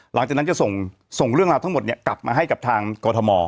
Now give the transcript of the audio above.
หลังจากนั้นจะส่งเรื่องราวทั้งหมดกลับมาให้กับทางกรทม